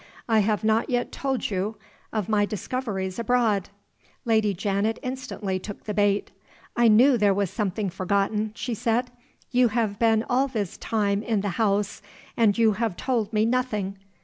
"I have not yet told you of my discoveries abroad." Lady Janet instantly took the bait. "I knew there was something forgotten," she said. "You have been all this time in the house, and you have told me nothing.